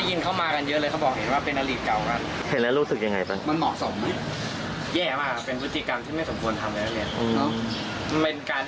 ได้ยินเขามากันเยอะเลยเขาบอกเห็นว่าเป็นอริกเก่ากัน